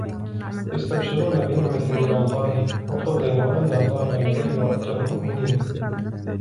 يَسْتَبْشِرُونَ بِنِعْمَةٍ مِنَ اللَّهِ وَفَضْلٍ وَأَنَّ اللَّهَ لَا يُضِيعُ أَجْرَ الْمُؤْمِنِينَ